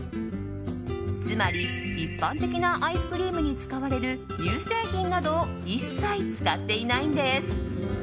つまり、一般的なアイスクリームに使われる乳製品などを一切使っていないんです。